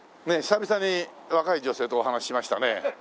久々に若い女性とお話ししましたね。